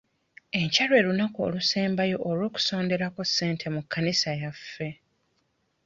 Enkya lwe lunaku olusembayo olw'okusonderako ssente mu kkanisa yaffe.